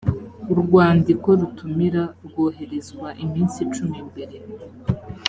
urwandiko rutumira rwoherezwa iminsi cumi mbere